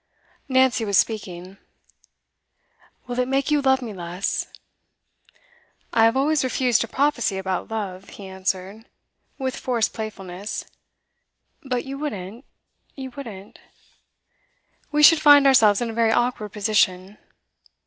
Nancy was speaking. 'Will it make you love me less?' 'I have always refused to prophesy about love,' he answered, with forced playfulness. 'But you wouldn't you wouldn't?' 'We should find ourselves in a very awkward position.